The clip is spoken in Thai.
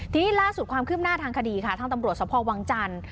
ทีนี้ล่าสุดความคืบหน้าทางคดีค่ะทางตำรวจสภวังจันทร์